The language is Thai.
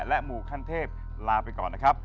หมู่ขั้นเทพลาไปก่อนนะครับ